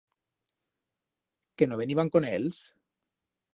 Que no veniban con éls?